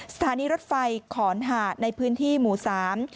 สถานีรถไฟขอนหาดในพื้นที่หมู่สาม